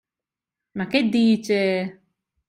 Ma che dice?